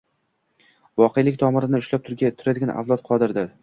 voqelik «tomirini ushlab turadigan» avlod qodir.